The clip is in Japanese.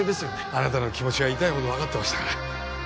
あなたの気持ちは痛いほど分かってましたから